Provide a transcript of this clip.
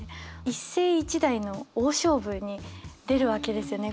一世一代の大勝負に出るわけですよね。